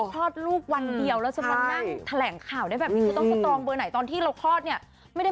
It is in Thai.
คือผู้หญิงที่คลอดลูกคร